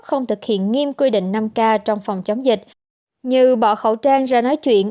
không thực hiện nghiêm quy định năm k trong phòng chống dịch như bỏ khẩu trang ra nói chuyện